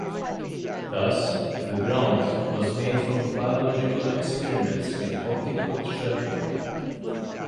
Thus, the ground was made for biological experiments with optical trapping.